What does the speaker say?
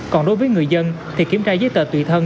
còn đối với người dân thì kiểm tra giấy tờ tùy thân